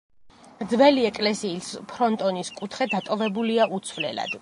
ძველი ეკლესიის ფრონტონის კუთხე დატოვებულია უცვლელად.